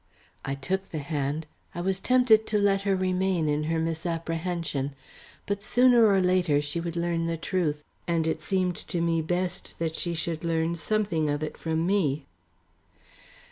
I took the hand; I was tempted to let her remain in her misapprehension. But sooner or later she would learn the truth, and it seemed to me best that she should learn something of it from me.